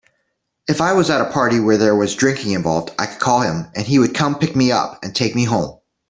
If I was at a party where there was drinking involved, I could call him and he would come pick me up and take me home.